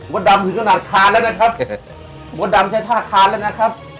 ดำถึงขนาดคานแล้วนะครับมดดำใช้ท่าคานแล้วนะครับ